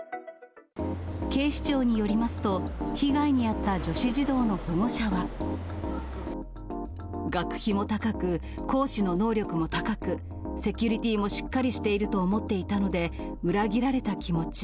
警視庁によりますと、学費も高く、講師の能力も高く、セキュリティーもしっかりしていると思っていたので、裏切られた気持ち。